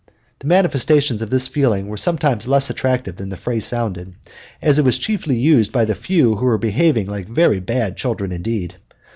The manifestations of this feeling were sometimes less attractive than the phrase sounded, as it was chiefly used by the few who were behaving like very bad children indeed.